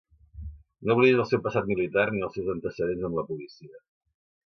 No oblidis el seu passat militar ni els seus antecedents amb la policia.